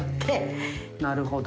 なるほど。